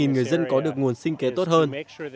người dân có được nguồn sinh kế tốt hơn